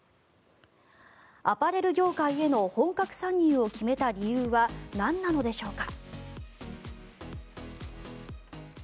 アパレル業界への本格参入を決めた理由は何なのでしょうか。